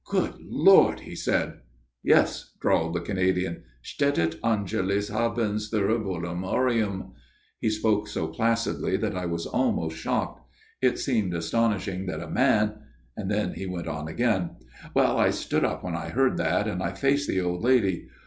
" Good Lord !" he said. " Yes," drawled the Canadian. " stetit Angelus habens thuribulum aureum." He spoke so placidly that I was almost shocked. It seemed astonishing that a man Then he went on again :" Well, I stood up when I heard that, and I faced the old lady.